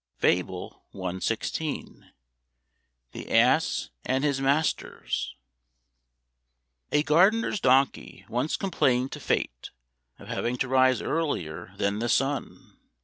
FABLE CXVI. THE ASS AND HIS MASTERS. A Gardener's Donkey once complained to Fate Of having to rise earlier than the sun.